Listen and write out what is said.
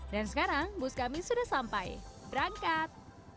dan sekarang bus kami sudah sampai berangkat